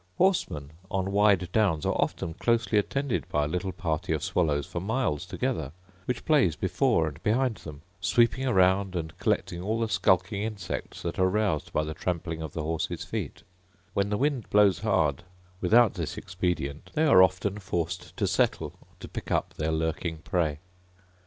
Horsemen on wide downs are often closely attended by a little party of swallows for miles together, which plays before and behind them, sweeping around, and collecting all the skulking insects that are roused by the trampling of the horses' feet: when the wind blows hard, without this expedient, they are often forced to settle to pick up their lurking prey.